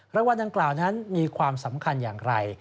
รางวัลดังกล่าวนั้นมีความสำคัญอย่างไร